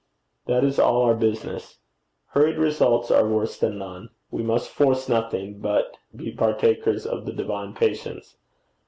That is all our business. Hurried results are worse than none. We must force nothing, but be partakers of the divine patience.